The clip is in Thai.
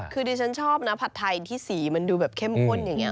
คือดิฉันชอบนะผัดไทยที่สีมันดูแบบเข้มข้นอย่างนี้